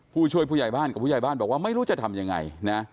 ผู้ช่วยผู้ใหญ่บ้านกับผู้ใหญ่บ้านบอกว่าไม่รู้จะทำยังไงนะ